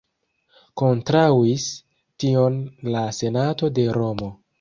Kontraŭis tion la senato de Romo.